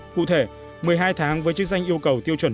cụ thể một mươi hai tháng với chức danh yêu cầu tiêu chuẩn